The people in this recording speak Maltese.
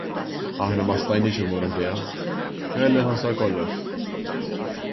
Aħna ma stajniex immorru ħdejha - kelli nħassar kollox.